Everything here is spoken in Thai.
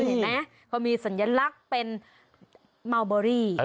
ที่นี่เห็นนะเค้ามีสัญลักษณ์เป็นมาล์บอรี่